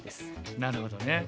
なるほどね。